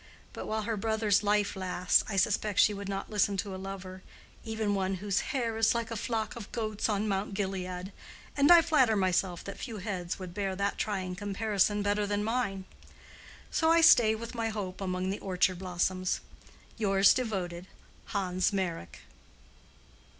But while her brother's life lasts I suspect she would not listen to a lover, even one whose "hair is like a flock of goats on Mount Gilead"—and I flatter myself that few heads would bear that trying comparison better than mine. So I stay with my hope among the orchard blossoms.—Your devoted, HANS MEYRICK.